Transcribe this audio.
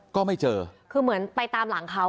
ก็ไม่เจอคือเหมือนไปตามหลังเขา